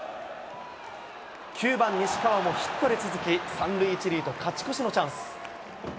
９番西川もヒットで続き、３塁１塁と勝ち越しのチャンス。